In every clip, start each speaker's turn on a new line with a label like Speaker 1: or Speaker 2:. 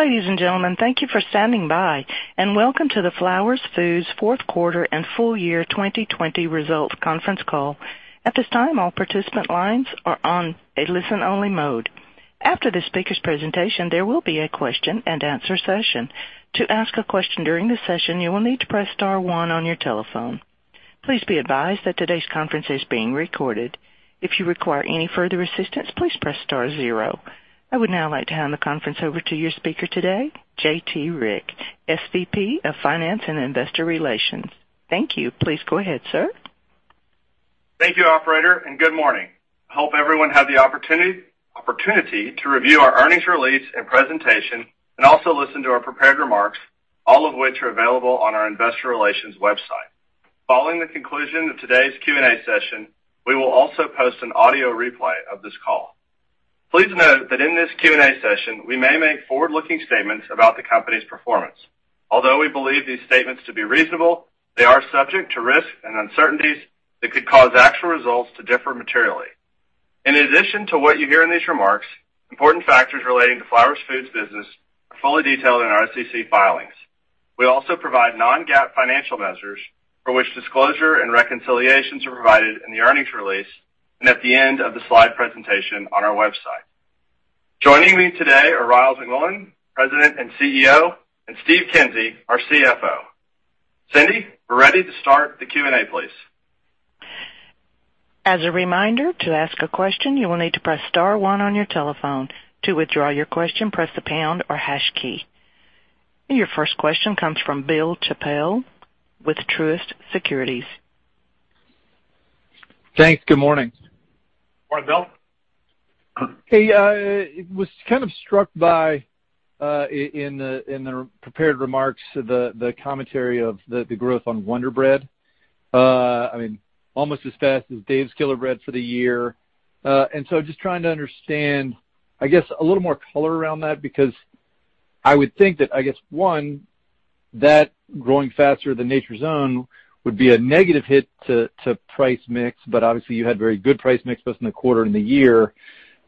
Speaker 1: Ladies and gentlemen, thank you for standing by, and welcome to the Flowers Foods fourth quarter and full year 2020 results conference call. At this time, all participant lines are on a listen only mode. After the speaker's presentation, there will be a question-and-answer session. To ask a question during the session, you'll need to press one on your telephone. Please be advised that today's conference is being recorded. If you require any further assistance, please press zero. I would now like to hand the conference over to your speaker today, J.T. Rieck, SVP of Finance and Investor Relations. Thank you. Please go ahead, sir.
Speaker 2: Thank you, operator, and good morning. I hope everyone had the opportunity to review our earnings release and presentation and also listen to our prepared remarks, all of which are available on our investor relations website. Following the conclusion of today's Q&A session, we will also post an audio replay of this call. Please note that in this Q&A session, we may make forward-looking statements about the company's performance. Although we believe these statements to be reasonable, they are subject to risks and uncertainties that could cause actual results to differ materially. In addition to what you hear in these remarks, important factors relating to Flowers Foods business are fully detailed in our SEC filings. We also provide non-GAAP financial measures for which disclosure and reconciliations are provided in the earnings release and at the end of the slide presentation on our website. Joining me today are Ryals McMullian, President and CEO, and Steve Kinsey, our CFO. Cindy, we're ready to start the Q&A, please.
Speaker 1: As a reminder, to ask a question, you will need to press star one on your telephone. To withdraw your question, press the pound or hash key. Your first question comes from Bill Chappell with Truist Securities.
Speaker 3: Thanks. Good morning.
Speaker 4: Morning, Bill.
Speaker 3: Hey, was kind of struck by, in the prepared remarks, the commentary of the growth on Wonder Bread. Almost as fast as Dave's Killer Bread for the year. Just trying to understand, I guess, a little more color around that because I would think that, one, that growing faster than Nature's Own would be a negative hit to price mix, but obviously you had very good price mix, both in the quarter and the year.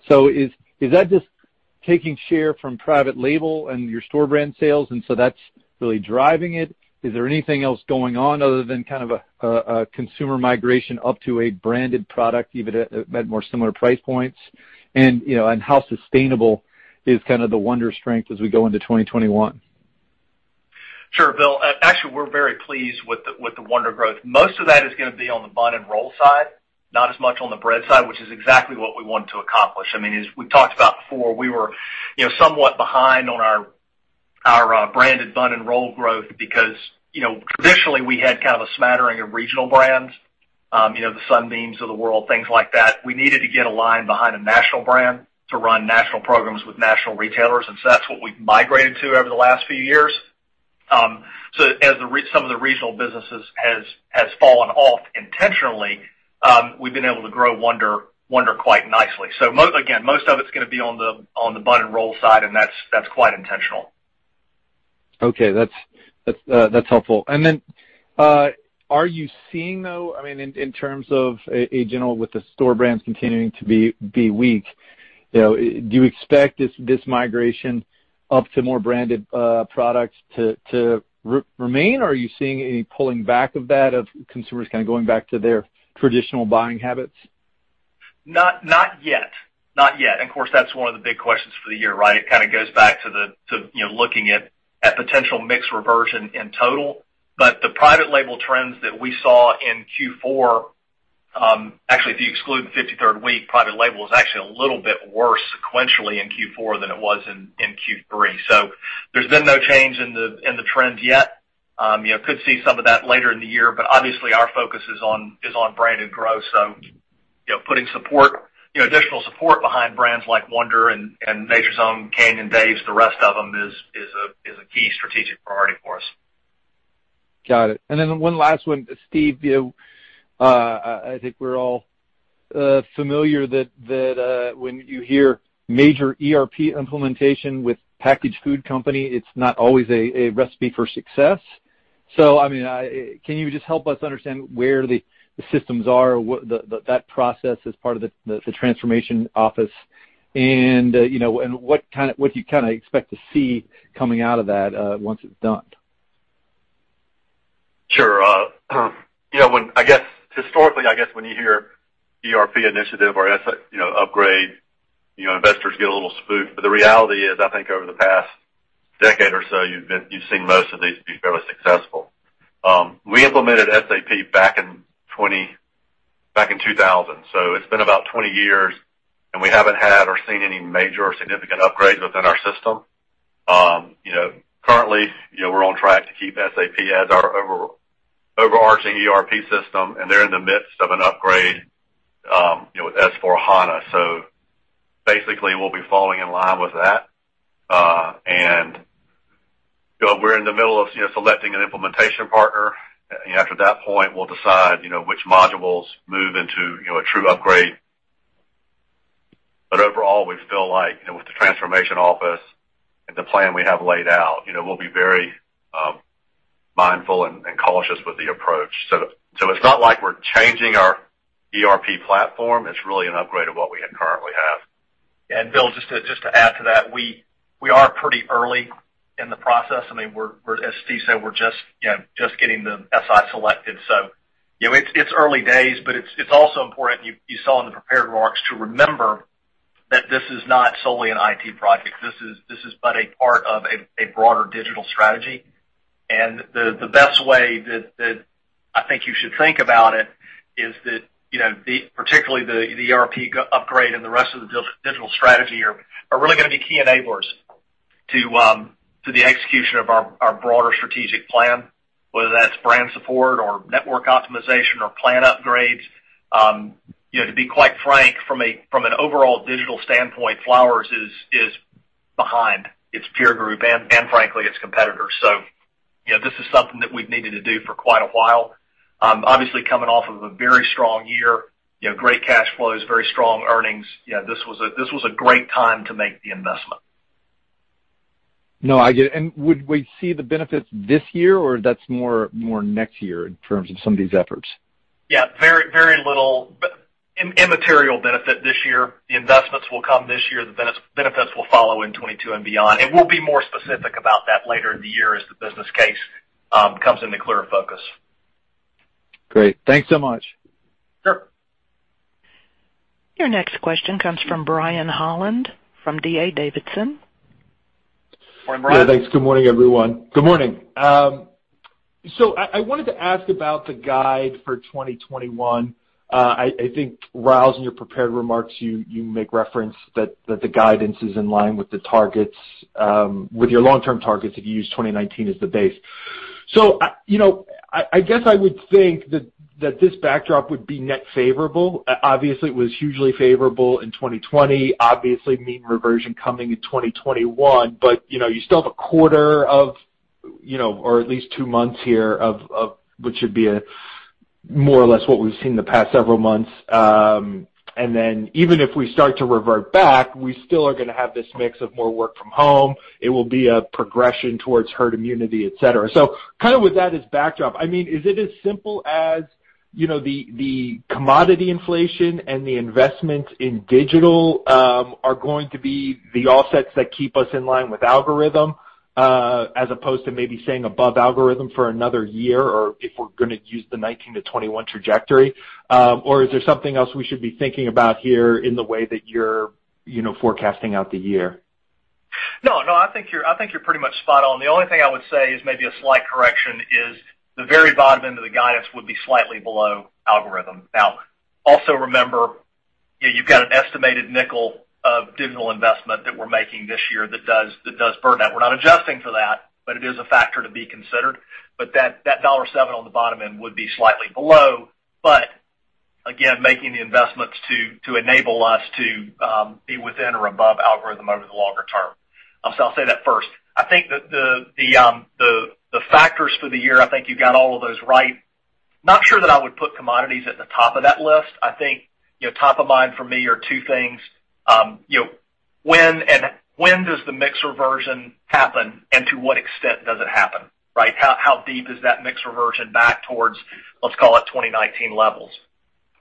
Speaker 3: Is that just taking share from private label and your store brand sales and so that's really driving it? Is there anything else going on other than kind of a consumer migration up to a branded product, even at more similar price points? How sustainable is kind of the Wonder strength as we go into 2021?
Speaker 4: Sure, Bill. Actually, we're very pleased with the Wonder growth. Most of that is going to be on the bun and roll side, not as much on the bread side, which is exactly what we want to accomplish. As we've talked about before, we were somewhat behind on our branded bun and roll growth because traditionally we had kind of a smattering of regional brands. The Sunbeam of the world, things like that. We needed to get aligned behind a national brand to run national programs with national retailers. That's what we've migrated to over the last few years. As some of the regional businesses has fallen off intentionally, we've been able to grow Wonder quite nicely. Again, most of it's going to be on the bun and roll side, and that's quite intentional.
Speaker 3: Okay. That's helpful. Are you seeing though, in terms of a general with the store brands continuing to be weak, do you expect this migration up to more branded products to remain or are you seeing any pulling back of that of consumers kind of going back to their traditional buying habits?
Speaker 4: Not yet. Of course, that's one of the big questions for the year, right? It kind of goes back to looking at potential mix reversion in total. The private label trends that we saw in Q4, actually if you exclude the 53rd week, private label was actually a little bit worse sequentially in Q4 than it was in Q3. There's been no change in the trends yet. Could see some of that later in the year, but obviously our focus is on branded growth. Putting additional support behind brands like Wonder and Nature's Own, Canyon, Dave's, the rest of them is a key strategic priority for us.
Speaker 3: Got it. One last one. Steve, I think we're all familiar that when you hear major ERP implementation with packaged food company, it's not always a recipe for success. Can you just help us understand where the systems are, that process as part of the Transformation Office and what you kind of expect to see coming out of that once it's done?
Speaker 5: Sure. Historically, I guess when you hear ERP initiative or upgrade, investors get a little spooked. The reality is, I think over the past decade or so, you've seen most of these be fairly successful. We implemented SAP back in 2000. It's been about 20 years and we haven't had or seen any major significant upgrades within our system. Currently, we're on track to keep SAP as our overarching ERP system and they're in the midst of an upgrade with S/4HANA. Basically we'll be falling in line with that. We're in the middle of selecting an implementation partner. After that point we'll decide which modules move into a true upgrade. Overall, we feel with the transformation office and the plan we have laid out, we'll be very Mindful and cautious with the approach. It's not like we're changing our ERP platform, it's really an upgrade of what we currently have.
Speaker 4: Bill, just to add to that, we are pretty early in the process. As Steve said, we're just getting the SI selected. It's early days, but it's also important, you saw in the prepared remarks, to remember that this is not solely an IT project. This is but a part of a broader digital strategy. The best way that I think you should think about it is that, particularly the ERP upgrade and the rest of the digital strategy are really going to be key enablers to the execution of our broader strategic plan, whether that's brand support or network optimization or plant upgrades. To be quite frank, from an overall digital standpoint, Flowers is behind its peer group and frankly, its competitors. This is something that we've needed to do for quite a while. Obviously, coming off of a very strong year, great cash flows, very strong earnings. This was a great time to make the investment.
Speaker 3: No, I get it. Would we see the benefits this year or that's more next year in terms of some of these efforts?
Speaker 4: Yeah, very little immaterial benefit this year. The investments will come this year, the benefits will follow in 2022 and beyond. We'll be more specific about that later in the year as the business case comes into clearer focus.
Speaker 3: Great. Thanks so much.
Speaker 4: Sure.
Speaker 1: Your next question comes from Brian Holland, from D.A. Davidson.
Speaker 4: Morning, Brian.
Speaker 6: Yeah, thanks. Good morning, everyone. Good morning. I wanted to ask about the guide for 2021. I think, Ryals, in your prepared remarks, you make reference that the guidance is in line with your long-term targets if you use 2019 as the base. I guess I would think that this backdrop would be net favorable. Obviously, it was hugely favorable in 2020. Obviously, mean reversion coming in 2021. You still have a quarter or at least two months here of what should be more or less what we've seen the past several months. Even if we start to revert back, we still are going to have this mix of more work-from-home. It will be a progression towards herd immunity, et cetera. With that as backdrop, is it as simple as the commodity inflation and the investments in digital are going to be the offsets that keep us in line with algorithm, as opposed to maybe staying above algorithm for one year, or if we're going to use the 2019-2021 trajectory? Is there something else we should be thinking about here in the way that you're forecasting out the year?
Speaker 4: No, I think you're pretty much spot on. The only thing I would say is maybe a slight correction is the very bottom end of the guidance would be slightly below algorithm. Also remember, you've got an estimated $0.05 of digital investment that we're making this year that does burn net. We're not adjusting for that, but it is a factor to be considered. That $1.7 on the bottom end would be slightly below. Again, making the investments to enable us to be within or above algorithm over the longer term. I'll say that first. I think the factors for the year, I think you got all of those right. Not sure that I would put commodities at the top of that list. I think, top of mind for me are two things. When does the mix reversion happen and to what extent does it happen, right? How deep is that mix reversion back towards, let's call it 2019 levels?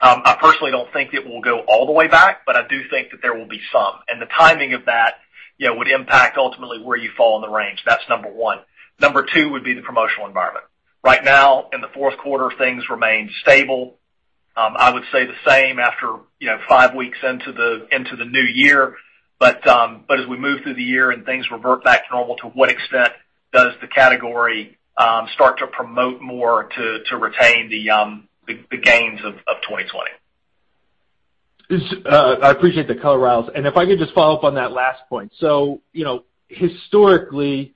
Speaker 4: I personally don't think it will go all the way back, but I do think that there will be some, and the timing of that would impact ultimately where you fall in the range. That's number one. Number two would be the promotional environment. Right now, in the fourth quarter, things remain stable. I would say the same after five weeks into the new year. As we move through the year and things revert back to normal, to what extent does the category start to promote more to retain the gains of 2020?
Speaker 6: I appreciate the color Ryals. If I could just follow up on that last point. Historically,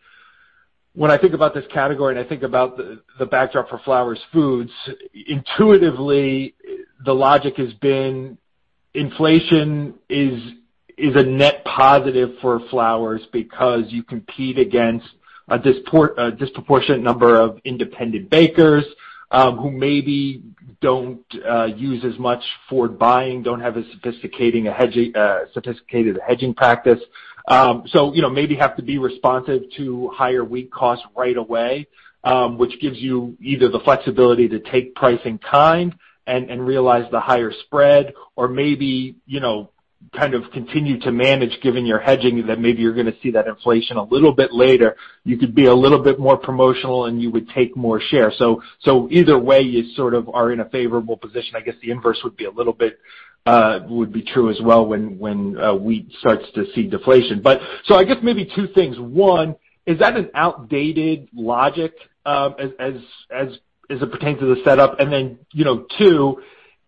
Speaker 6: when I think about this category and I think about the backdrop for Flowers Foods, intuitively, the logic has been inflation is a net positive for Flowers because you compete against a disproportionate number of independent bakers, who maybe don't use as much forward buying, don't have a sophisticated hedging practice. Maybe have to be responsive to higher wheat costs right away, which gives you either the flexibility to take price in kind and realize the higher spread or maybe kind of continue to manage given your hedging that maybe you're going to see that inflation a little bit later. You could be a little bit more promotional and you would take more share. Either way, you sort of are in a favorable position. I guess the inverse would be true as well when wheat starts to see deflation. I guess maybe two things. One, is that an outdated logic as it pertains to the setup? Two,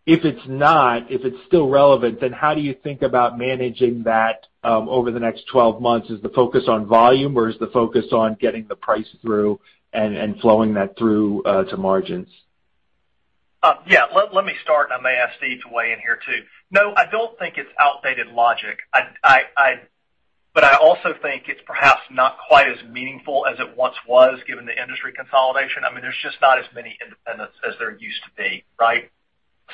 Speaker 6: if it's not, if it's still relevant, then how do you think about managing that over the next 12 months? Is the focus on volume or is the focus on getting the price through and flowing that through to margins?
Speaker 4: Let me start and I may ask Steve to weigh in here, too. No, I don't think it's outdated logic. I also think it's perhaps not quite as meaningful as it once was given the industry consolidation. There's just not as many independents as there used to be, right?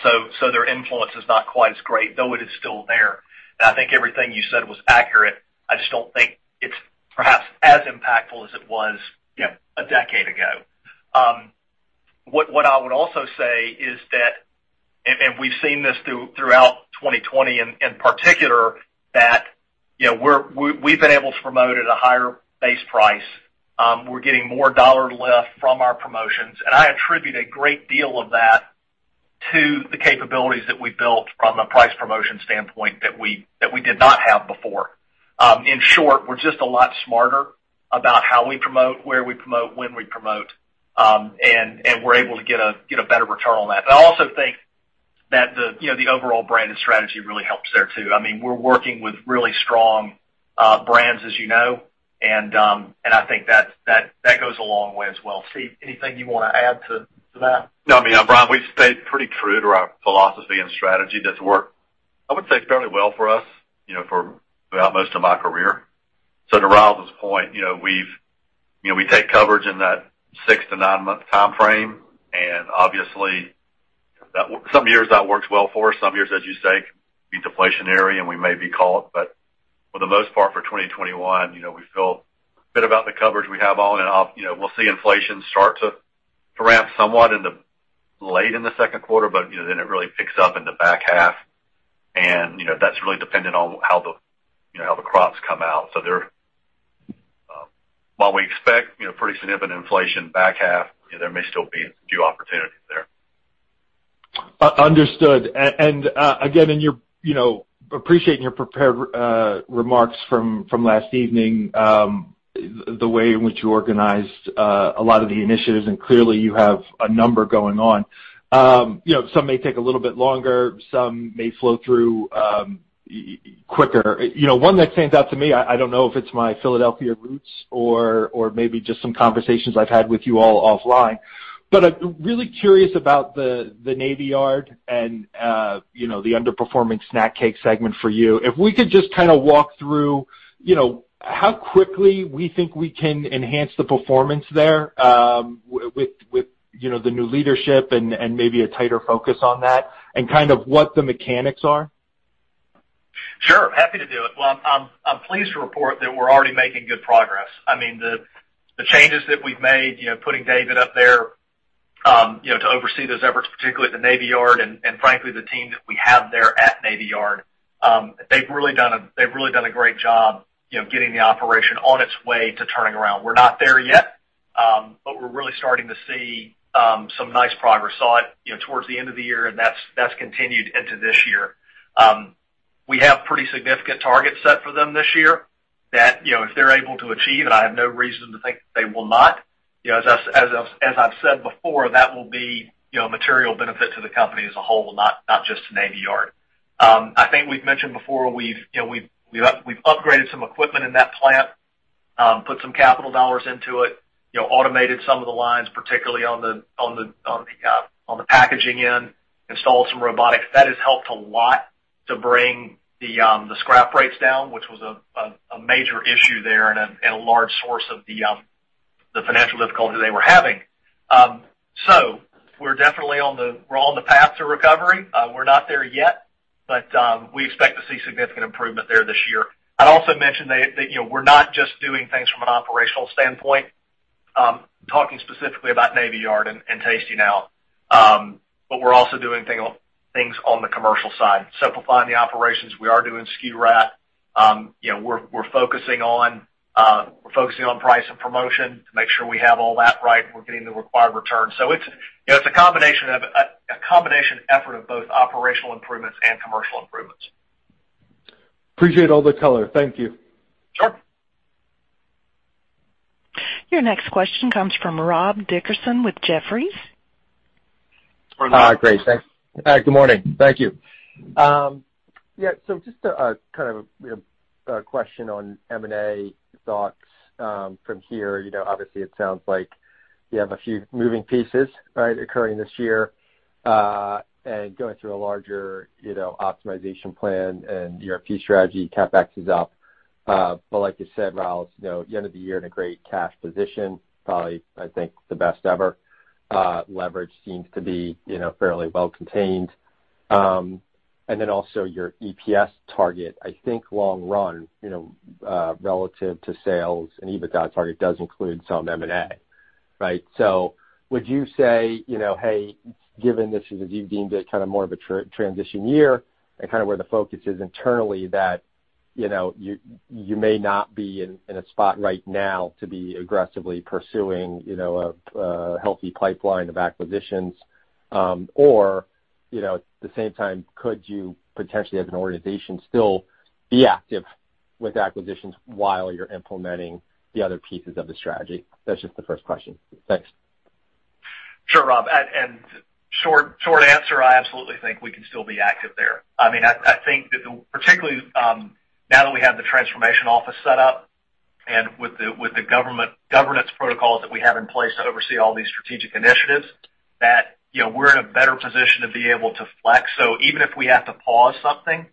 Speaker 4: Their influence is not quite as great, though it is still there. I think everything you said was accurate, I just don't think it's perhaps as impactful as it was a decade ago. What I would also say is that, and we've seen this throughout 2020 in particular, that we've been able to promote at a higher base price. We're getting more dollar lift from our promotions. I attribute a great deal of that to the capabilities that we built from a price promotion standpoint that we did not have before. In short, we're just a lot smarter about how we promote, where we promote, when we promote, and we're able to get a better return on that. I also think that the overall branded strategy really helps there too. We're working with really strong brands as you know, and I think that goes a long way as well. Steve, anything you want to add to that?
Speaker 5: No, Brian, we've stayed pretty true to our philosophy and strategy that's worked, I would say, fairly well for us throughout most of my career. To Ryals's point, we take coverage in that 6-9month timeframe, and obviously some years that works well for us, some years, as you say, can be deflationary and we may be caught. For the most part for 2021, we feel a bit about the coverage we have on and off. We'll see inflation start to ramp somewhat late in the second quarter, but then it really picks up in the back half and that's really dependent on how the crops come out. While we expect pretty significant inflation back half, there may still be a few opportunities there.
Speaker 6: Understood. Again, appreciating your prepared remarks from last evening, the way in which you organized a lot of the initiatives, and clearly you have a number going on. Some may take a little bit longer, some may flow through quicker. One that stands out to me, I don't know if it's my Philadelphia roots or maybe just some conversations I've had with you all offline, but I'm really curious about the Navy Yard and the underperforming snack cake segment for you. If we could just kind of walk through how quickly we think we can enhance the performance there with the new leadership and maybe a tighter focus on that and kind of what the mechanics are.
Speaker 4: Sure, happy to do it. Well, I'm pleased to report that we're already making good progress. The changes that we've made putting David up there to oversee those efforts, particularly at the Navy Yard, and frankly, the team that we have there at Navy Yard, they've really done a great job getting the operation on its way to turning around. We're not there yet, but we're really starting to see some nice progress. Saw it towards the end of the year. That's continued into this year. We have pretty significant targets set for them this year that if they're able to achieve, and I have no reason to think that they will not, as I've said before, that will be a material benefit to the company as a whole, not just to Navy Yard. I think we've mentioned before, we've upgraded some equipment in that plant, put some capital dollars into it, automated some of the lines, particularly on the packaging end, installed some robotics. That has helped a lot to bring the scrap rates down, which was a major issue there and a large source of the financial difficulty they were having. We're definitely on the path to recovery. We're not there yet, but we expect to see significant improvement there this year. I'd also mention that we're not just doing things from an operational standpoint, talking specifically about Navy Yard and Tasty now We're also doing things on the commercial side, simplifying the operations. We are doing SKU rat. We're focusing on price and promotion to make sure we have all that right and we're getting the required return. It's a combination effort of both operational improvements and commercial improvements.
Speaker 6: Appreciate all the color. Thank you.
Speaker 4: Sure.
Speaker 1: Your next question comes from Rob Dickerson with Jefferies.
Speaker 7: Great, thanks. Good morning. Thank you. Just a question on M&A thoughts from here. Obviously, it sounds like you have a few moving pieces occurring this year and going through a larger optimization plan and your ERP strategy, CapEx is up. Like you said, Ryals, end of the year in a great cash position, probably, I think the best ever. Leverage seems to be fairly well contained. Then also your EPS target, I think long run, relative to sales and EBITDA target does include some M&A. Would you say, given this is as you've deemed it more of a transition year and where the focus is internally that you may not be in a spot right now to be aggressively pursuing a healthy pipeline of acquisitions? At the same time, could you potentially, as an organization, still be active with acquisitions while you're implementing the other pieces of the strategy? That's just the first question. Thanks.
Speaker 4: Sure, Rob, short answer, I absolutely think we can still be active there. I think that particularly now that we have the transformation office set up and with the governance protocols that we have in place to oversee all these strategic initiatives, that we're in a better position to be able to flex. Even if we have to pause something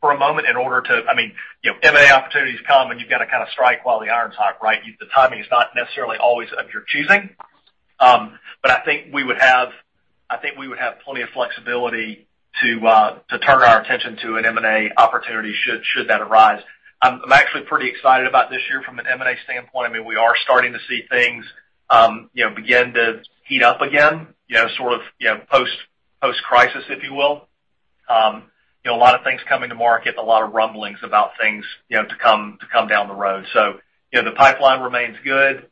Speaker 4: for a moment, in order to M&A opportunities come, and you've got to kind of strike while the iron's hot, right? The timing is not necessarily always of your choosing. I think we would have plenty of flexibility to turn our attention to an M&A opportunity should that arise. I'm actually pretty excited about this year from an M&A standpoint. We are starting to see things begin to heat up again, sort of post-crisis, if you will. A lot of things coming to market and a lot of rumblings about things to come down the road. The pipeline remains good.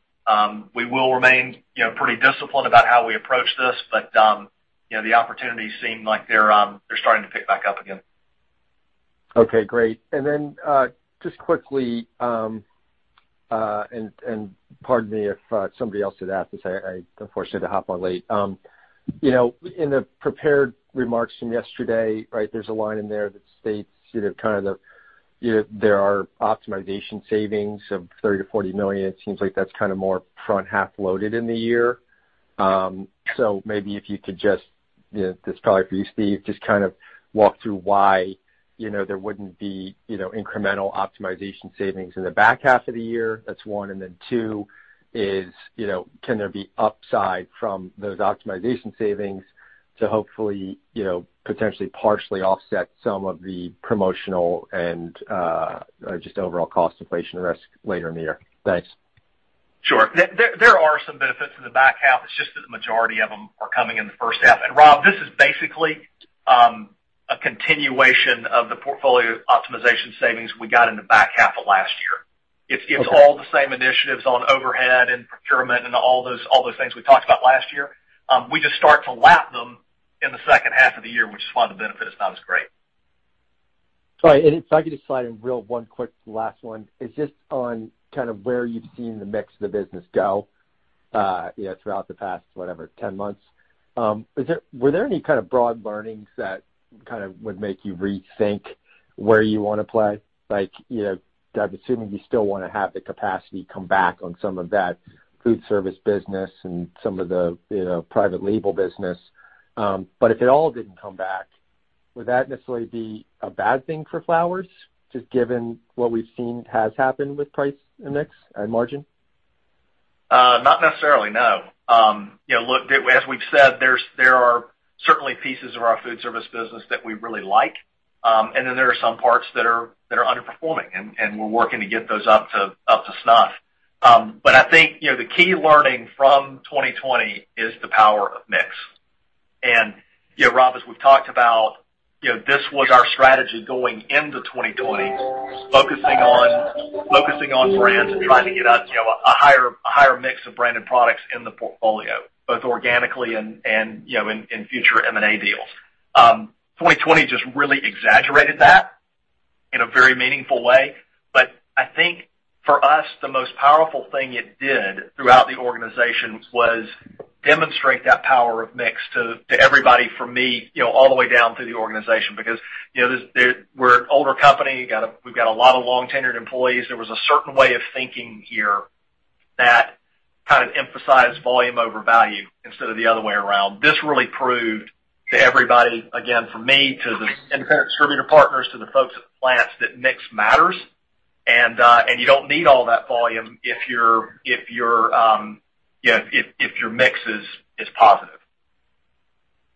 Speaker 4: We will remain pretty disciplined about how we approach this, but the opportunities seem like they're starting to pick back up again.
Speaker 7: Okay, great. Then, just quickly, and pardon me if somebody else had asked this, unfortunately I hopped on late. In the prepared remarks from yesterday, there's a line in there that states that there are optimization savings of $30 million-$40 million. It seems like that's more front-half loaded in the year. Maybe if you could just, this is probably for you, Steve, just walk through why there wouldn't be incremental optimization savings in the back half of the year. That's one. Then two is, can there be upside from those optimization savings to hopefully, potentially partially offset some of the promotional and just overall cost inflation risk later in the year? Thanks.
Speaker 4: Sure. There are some benefits in the back half. It's just that the majority of them are coming in the first half. Rob, this is basically a continuation of the portfolio optimization savings we got in the back half of last year.
Speaker 7: Okay.
Speaker 4: It's all the same initiatives on overhead and procurement and all those things we talked about last year. We just start to lap them in the second half of the year, which is why the benefit is not as great.
Speaker 7: Sorry, and if I could just slide in real one quick last one. It's just on where you've seen the mix of the business go throughout the past, whatever, 10 months. Were there any kind of broad learnings that would make you rethink where you want to play? I'm assuming you still want to have the capacity come back on some of that food service business and some of the private label business. If it all didn't come back, would that necessarily be a bad thing for Flowers, just given what we've seen has happened with price and mix and margin?
Speaker 4: Not necessarily, no. Look, as we've said, there are certainly pieces of our food service business that we really like. There are some parts that are underperforming, and we're working to get those up to snuff. I think the key learning from 2020 is the power of mix. Rob, as we've talked about, this was our strategy going into 2020 focusing on brands and trying to get a higher mix of branded products in the portfolio, both organically and in future M&A deals. 2020 just really exaggerated that in a very meaningful way. I think for us, the most powerful thing it did throughout the organization was demonstrate that power of mix to everybody from me all the way down through the organization. Because we're an older company, we've got a lot of long-tenured employees. There was a certain way of thinking here that kind of emphasized volume over value instead of the other way around. This really proved to everybody, again, from me to the independent distributor partners to the folks at the plants, that mix matters and you don't need all that volume if your mix is positive.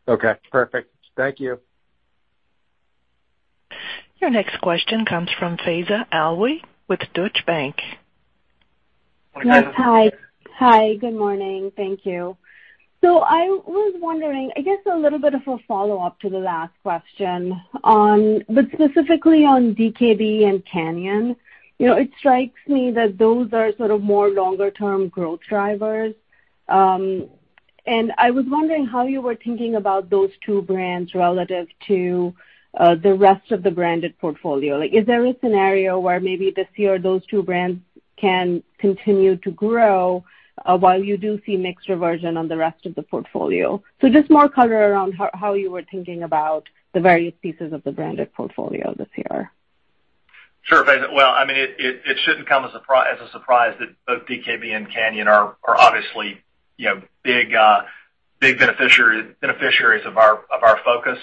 Speaker 7: Okay, perfect. Thank you.
Speaker 1: Your next question comes from Faiza Alwy with Deutsche Bank.
Speaker 4: Hi, Faiza.
Speaker 8: Hi. Good morning. Thank you. I was wondering, I guess a little bit of a follow-up to the last question on, but specifically on DKB and Canyon. It strikes me that those are sort of more longer-term growth drivers. I was wondering how you were thinking about those two brands relative to the rest of the branded portfolio. Is there a scenario where maybe this year those two brands can continue to grow while you do see mix reversion on the rest of the portfolio? Just more color around how you were thinking about the various pieces of the branded portfolio this year.
Speaker 4: Sure, Faiza. It shouldn't come as a surprise that both DKB and Canyon are obviously big beneficiaries of our focus.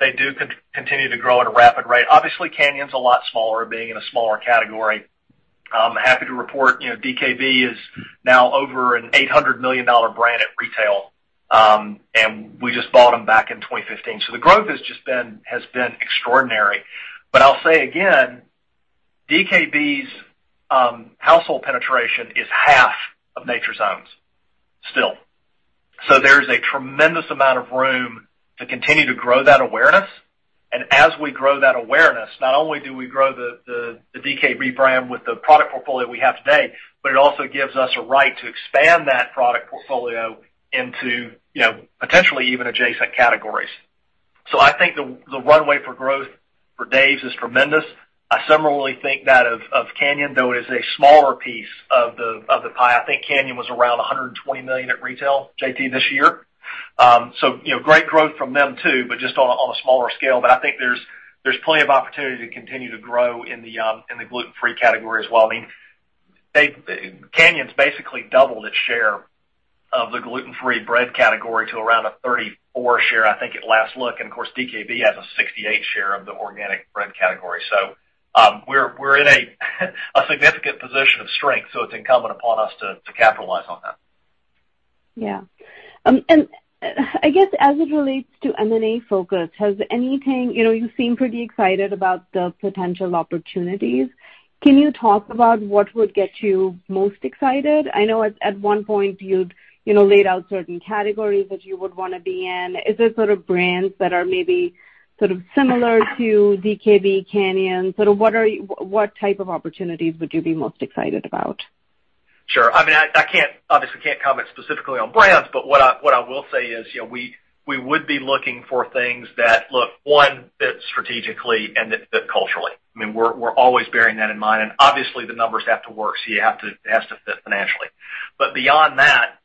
Speaker 4: They do continue to grow at a rapid rate. Obviously, Canyon's a lot smaller, being in a smaller category. I'm happy to report DKB is now over an $800 million brand at retail, and we just bought them back in 2015. The growth has just been extraordinary. I'll say again, DKB's household penetration is half of Nature's Own's still. There is a tremendous amount of room to continue to grow that awareness. As we grow that awareness, not only do we grow the DKB brand with the product portfolio we have today, but it also gives us a right to expand that product portfolio into potentially even adjacent categories. I think the runway for growth for Dave's is tremendous. I similarly think that of Canyon, though it is a smaller piece of the pie. I think Canyon was around $120 million at retail, J.T., this year. Great growth from them, too, but just on a smaller scale. I think there's plenty of opportunity to continue to grow in the gluten-free category as well. I mean Canyon's basically doubled its share of the gluten-free bread category to around a 34% share, I think, at last look. Of course, DKB has a 68% share of the organic bread category. We're in a significant position of strength, so it's incumbent upon us to capitalize on that.
Speaker 8: Yeah. I guess as it relates to M&A focus, you seem pretty excited about the potential opportunities. Can you talk about what would get you most excited? I know at one point you'd laid out certain categories that you would want to be in. Is it sort of brands that are maybe sort of similar to DKB, Canyon? Sort of what type of opportunities would you be most excited about?
Speaker 4: Sure. I mean, obviously, I can't comment specifically on brands, but what I will say is we would be looking for things that, look, one, fit strategically and that fit culturally. I mean, we're always bearing that in mind. Obviously, the numbers have to work. It has to fit financially. Beyond that,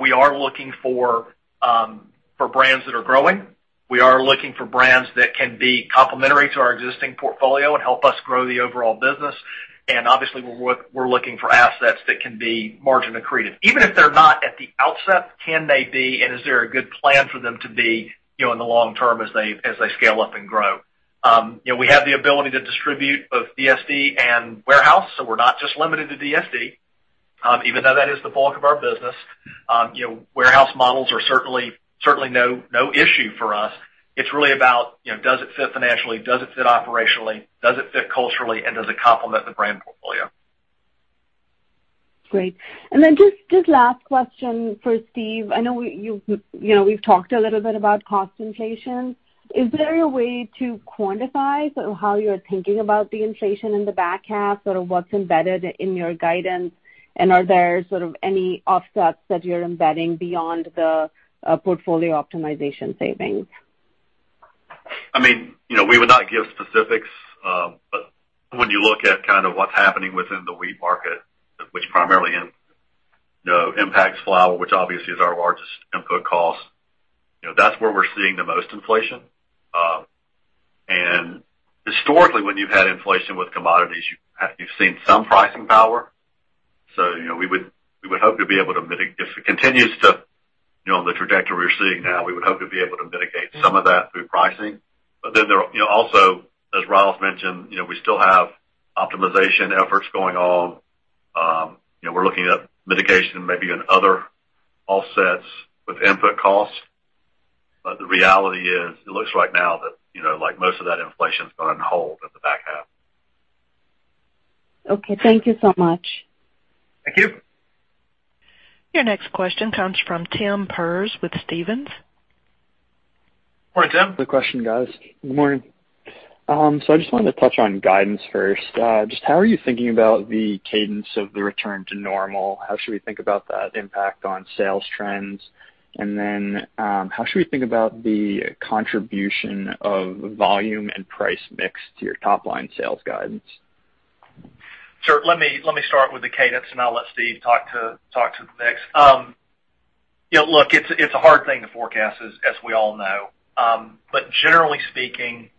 Speaker 4: we are looking for brands that are growing. We are looking for brands that can be complementary to our existing portfolio and help us grow the overall business. Obviously, we're looking for assets that can be margin accretive. Even if they're not at the outset, can they be, and is there a good plan for them to be in the long-term as they scale up and grow? We have the ability to distribute both DSD and warehouse. We're not just limited to DSD, even though that is the bulk of our business. Warehouse models are certainly no issue for us. It's really about, does it fit financially? Does it fit operationally? Does it fit culturally, and does it complement the brand portfolio?
Speaker 8: Great. Just last question for Steve. I know we've talked a little bit about cost inflation. Is there a way to quantify sort of how you're thinking about the inflation in the back half, sort of what's embedded in your guidance? Are there sort of any offsets that you're embedding beyond the portfolio optimization savings?
Speaker 5: I mean, we would not give specifics, but when you look at kind of what's happening within the wheat market, which primarily impacts flour, which obviously is our largest input cost, that's where we're seeing the most inflation. Historically, when you've had inflation with commodities, you've seen some pricing power. If it continues on the trajectory we're seeing now, we would hope to be able to mitigate some of that through pricing. Also, as Ryals mentioned, we still have optimization efforts going on. We're looking at mitigation maybe in other offsets with input costs. The reality is, it looks right now that most of that inflation's going to hold at the back half.
Speaker 8: Okay. Thank you so much.
Speaker 4: Thank you.
Speaker 1: Your next question comes from Tim Perz with Stephens.
Speaker 4: All right, Tim.
Speaker 9: Good question, guys. Good morning. I just wanted to touch on guidance first. Just how are you thinking about the cadence of the return to normal? How should we think about that impact on sales trends? How should we think about the contribution of volume and price mix to your top-line sales guidance?
Speaker 4: Sure. Let me start with the cadence, and I'll let Steve talk to the mix. Look, it's a hard thing to forecast, as we all know. Generally speaking,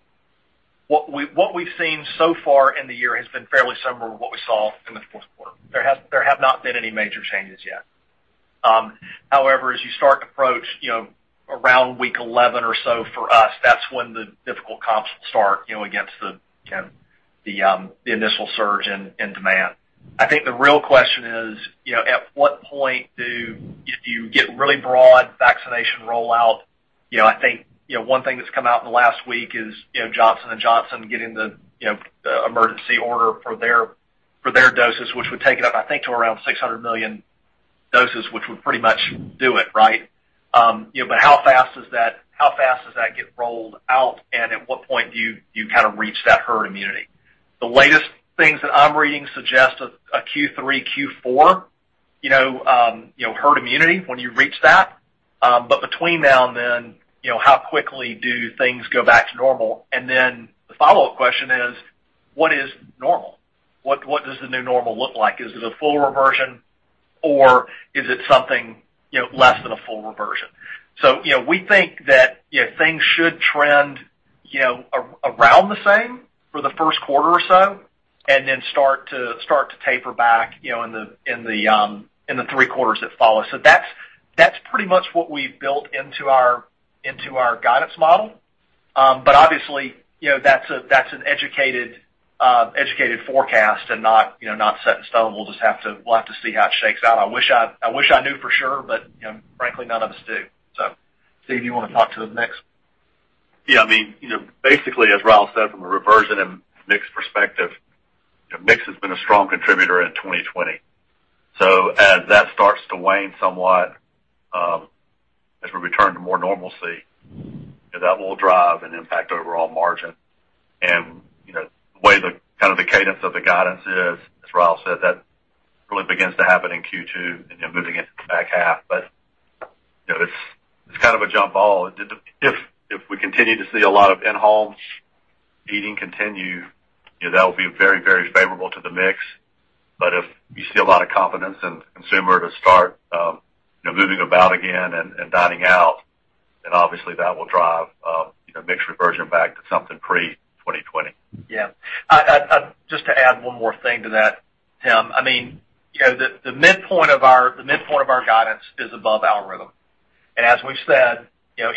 Speaker 4: what we've seen so far in the year has been fairly similar to what we saw in the fourth quarter. There have not been any major changes yet. However, as you start to approach around week 11 or so for us, that's when the difficult comps start against the initial surge in demand. I think the real question is, at what point do you get really broad vaccination rollout? I think one thing that's come out in the last week is Johnson & Johnson getting the emergency order for their doses, which would take it up, I think, to around 600 million doses, which would pretty much do it, right? How fast does that get rolled out, and at what point do you kind of reach that herd immunity? The latest things that I'm reading suggest a Q3, Q4 herd immunity when you reach that. Between now and then, how quickly do things go back to normal? The follow-up question is, what is normal? What does the new normal look like? Is it a full reversion, or is it something less than a full reversion? We think that things should trend around the same for the first quarter or so and then start to taper back in the three quarters that follow. That's pretty much what we've built into our guidance model. Obviously, that's an educated forecast and not set in stone. We'll have to see how it shakes out. I wish I knew for sure, but frankly, none of us do. Steve, you want to talk to the mix?
Speaker 5: Yeah. I mean, basically, as Ryals said, from a reversion and mix perspective, mix has been a strong contributor in 2020. As that starts to wane somewhat as we return to more normalcy, that will drive and impact overall margin. The way the kind of the cadence of the guidance is, as Ryals said, that really begins to happen in Q2 and then moving into the back half. It's kind of a jump ball. If we continue to see a lot of in-home eating continue, that will be very, very favorable to the mix. If you see a lot of confidence in consumer to start. Moving about again and dining out, obviously that will drive mixed reversion back to something pre-2020.
Speaker 4: Yeah. Just to add one more thing to that, Tim. The midpoint of our guidance is above algorithm. As we've said,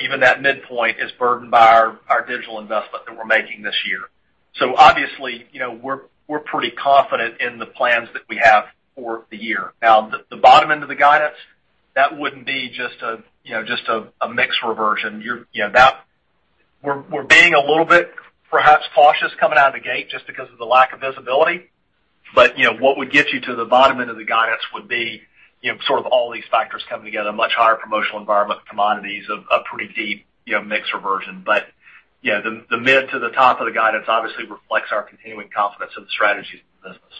Speaker 4: even that midpoint is burdened by our digital investment that we're making this year. Obviously, we're pretty confident in the plans that we have for the year. Now, the bottom end of the guidance, that wouldn't be just a mix reversion. We're being a little bit, perhaps, cautious coming out of the gate just because of the lack of visibility. What would get you to the bottom end of the guidance would be sort of all these factors coming together, much higher promotional environment, commodities of pretty deep mix reversion. The mid to the top of the guidance obviously reflects our continuing confidence in the strategies of the business.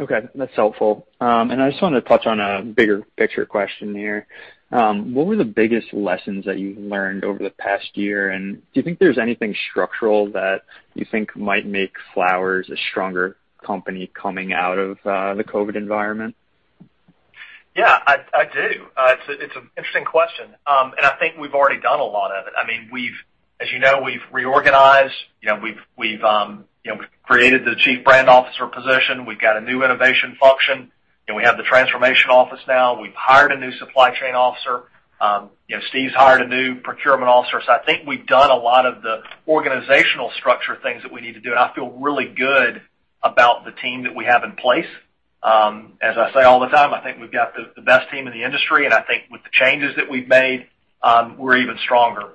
Speaker 9: Okay, that's helpful. I just wanted to touch on a bigger picture question here. What were the biggest lessons that you've learned over the past year, and do you think there's anything structural that you think might make Flowers a stronger company coming out of the COVID environment?
Speaker 4: Yeah, I do. It's an interesting question. I think we've already done a lot of it. As you know, we've reorganized, we've created the chief brand officer position, we've got a new innovation function, and we have the transformation office now. We've hired a new Supply Chain Officer. Steve's hired a new Procurement Officer. I think we've done a lot of the organizational structure things that we need to do, and I feel really good about the team that we have in place. As I say all the time, I think we've got the best team in the industry, and I think with the changes that we've made, we're even stronger.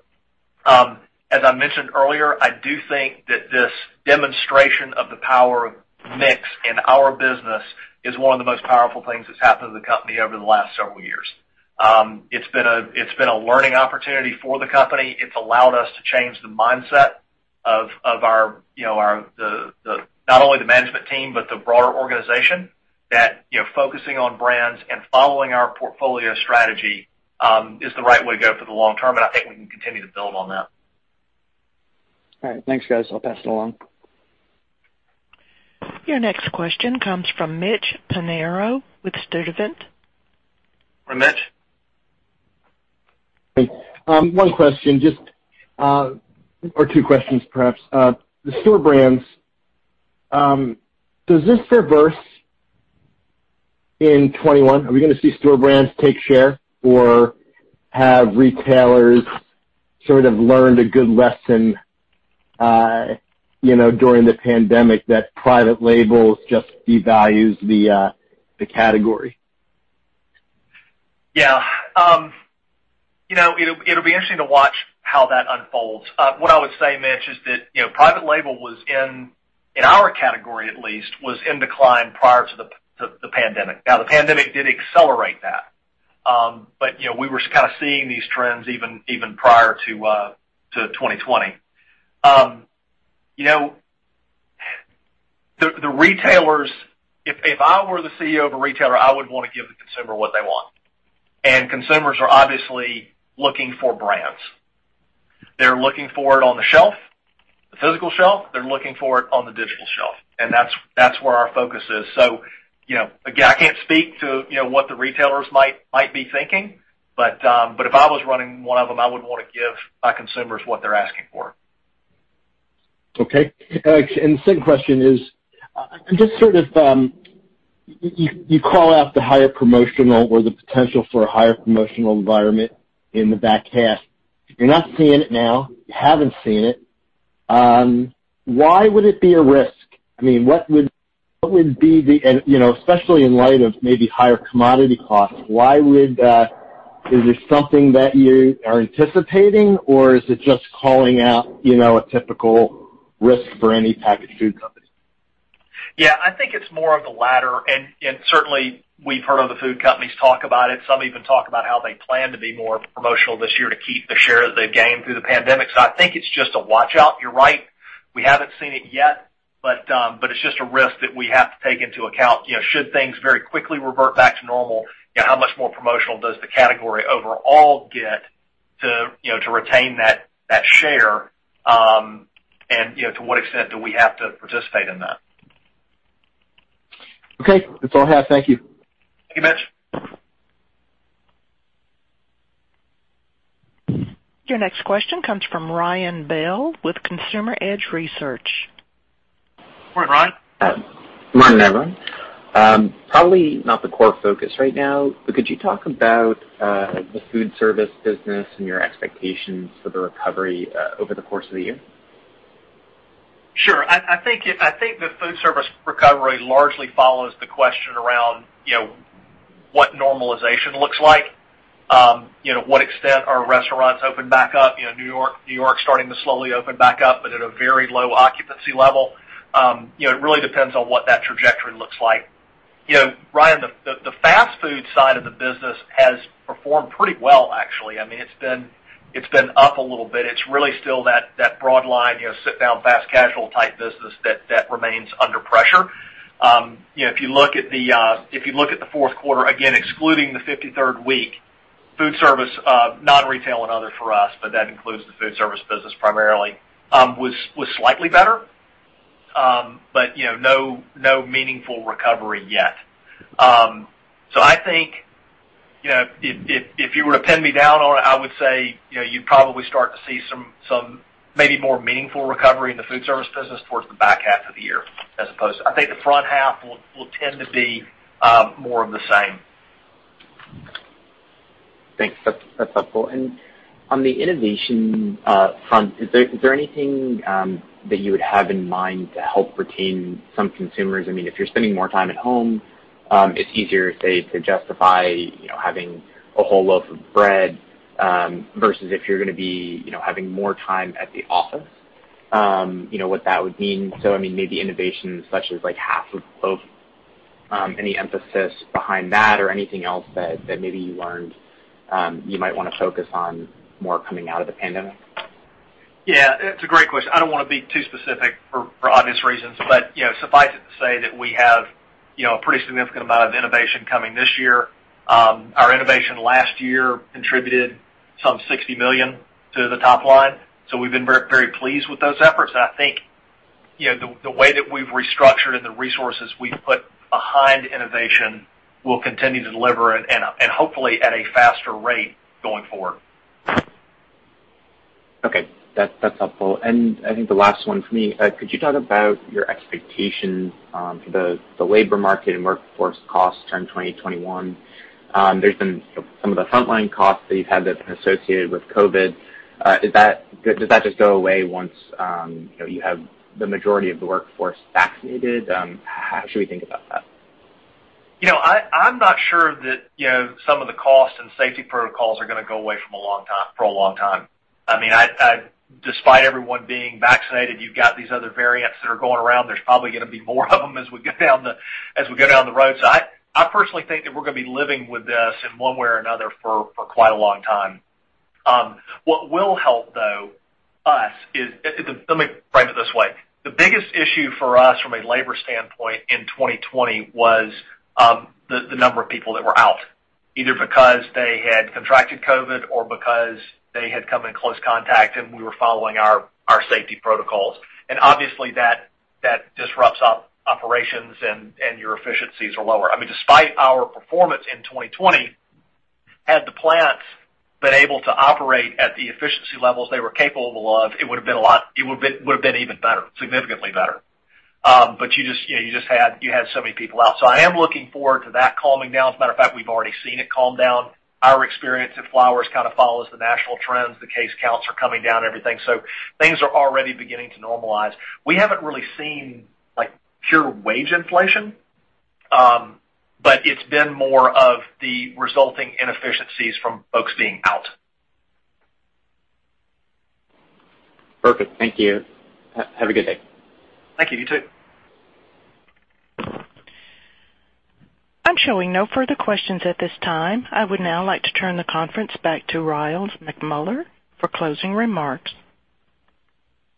Speaker 4: As I mentioned earlier, I do think that this demonstration of the power of mix in our business is one of the most powerful things that's happened to the company over the last several years. It's been a learning opportunity for the company. It's allowed us to change the mindset of not only the management team, but the broader organization that focusing on brands and following our portfolio strategy is the right way to go for the long-term. I think we can continue to build on that.
Speaker 9: All right. Thanks, guys. I'll pass it along.
Speaker 1: Your next question comes from Mitchell Pinheiro with Sturdivant.
Speaker 4: Hi, Mitch.
Speaker 10: One question, or two questions perhaps. The store brands, does this reverse in 2021? Are we going to see store brands take share or have retailers sort of learned a good lesson during the pandemic that private labels just devalues the category?
Speaker 4: Yeah. It'll be interesting to watch how that unfolds. What I would say, Mitch, is that private label was in our category at least, was in decline prior to the pandemic. The pandemic did accelerate that. We were kind of seeing these trends even prior to 2020. The retailers, if I were the CEO of a retailer, I would want to give the consumer what they want. Consumers are obviously looking for brands. They're looking for it on the shelf, the physical shelf. They're looking for it on the digital shelf. That's where our focus is. Again, I can't speak to what the retailers might be thinking. If I was running one of them, I would want to give our consumers what they're asking for.
Speaker 10: Okay. The second question is, you call out the higher promotional or the potential for a higher promotional environment in the back half. If you're not seeing it now, you haven't seen it, why would it be a risk? Especially in light of maybe higher commodity costs, is this something that you are anticipating or is it just calling out a typical risk for any packaged food company?
Speaker 4: Yeah, I think it's more of the latter and certainly we've heard other food companies talk about it. Some even talk about how they plan to be more promotional this year to keep the share they've gained through the pandemic. I think it's just a watch-out. You're right. We haven't seen it yet, but it's just a risk that we have to take into account. Should things very quickly revert back to normal, how much more promotional does the category overall get to retain that share? To what extent do we have to participate in that?
Speaker 10: Okay. That's all I have. Thank you.
Speaker 4: Thank you, Mitch.
Speaker 1: Your next question comes from Ryan Bell with Consumer Edge Research.
Speaker 4: Good morning, Ryan.
Speaker 11: Morning, everyone. Probably not the core focus right now, but could you talk about the food service business and your expectations for the recovery over the course of the year?
Speaker 4: Sure. I think the food service recovery largely follows the question around what normalization looks like. What extent are restaurants opened back up? New York starting to slowly open back up but at a very low occupancy level. It really depends on what that trajectory looks like. Ryan, the fast food side of the business has performed pretty well, actually. It's been up a little bit. It's really still that broadline, sit-down fast casual type business that remains under pressure. If you look at the fourth quarter, again excluding the 53rd week, food service, non-retail and other for us, but that includes the food service business primarily, was slightly better. No meaningful recovery yet. I think if you were to pin me down on it, I would say you'd probably start to see some maybe more meaningful recovery in the food service business towards the back half of the year as opposed to I think the front half will tend to be more of the same.
Speaker 11: Thanks. That's helpful. On the innovation front, is there anything that you would have in mind to help retain some consumers? If you're spending more time at home, it's easier, say, to justify having a whole loaf of bread, versus if you're going to be having more time at the office, what that would mean. Maybe innovations such as half a loaf, any emphasis behind that or anything else that maybe you learned you might want to focus on more coming out of the pandemic?
Speaker 4: Yeah, it's a great question. I don't want to be too specific for obvious reasons. Suffice it to say that we have a pretty significant amount of innovation coming this year. Our innovation last year contributed some $60 million to the top line, so we've been very pleased with those efforts, and I think the way that we've restructured and the resources we've put behind innovation will continue to deliver and hopefully at a faster rate going forward.
Speaker 11: Okay. That's helpful. I think the last one for me, could you talk about your expectations for the labor market and workforce costs turn 2021? There's been some of the frontline costs that you've had that have been associated with COVID. Does that just go away once you have the majority of the workforce vaccinated? How should we think about that?
Speaker 4: I'm not sure that some of the costs and safety protocols are going to go away for a long time. Despite everyone being vaccinated, you've got these other variants that are going around. There's probably going to be more of them as we go down the road. I personally think that we're going to be living with this in one way or another for quite a long time. What will help, though, us is. Let me frame it this way. The biggest issue for us from a labor standpoint in 2020 was the number of people that were out, either because they had contracted COVID or because they had come in close contact and we were following our safety protocols. Obviously that disrupts operations and your efficiencies are lower. Despite our performance in 2020, had the plants been able to operate at the efficiency levels they were capable of, it would've been even better, significantly better. You just had so many people out. I am looking forward to that calming down. As a matter of fact, we've already seen it calm down. Our experience at Flowers kind of follows the national trends. The case counts are coming down, everything. Things are already beginning to normalize. We haven't really seen pure wage inflation, but it's been more of the resulting inefficiencies from folks being out.
Speaker 11: Perfect. Thank you. Have a good day.
Speaker 4: Thank you. You too.
Speaker 1: I'm showing no further questions at this time. I would now like to turn the conference back to Ryals McMullian for closing remarks.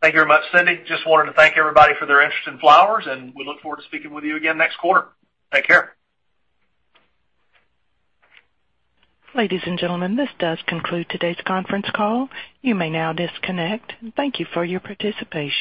Speaker 4: Thank you very much, Cindy. Just wanted to thank everybody for their interest in Flowers, and we look forward to speaking with you again next quarter. Take care.
Speaker 1: Ladies and gentlemen, this does conclude today's conference call. You may now disconnect. Thank you for your participation.